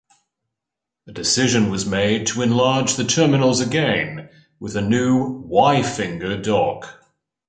A decision was made to enlarge the terminals again with a new "Y-finger" dock.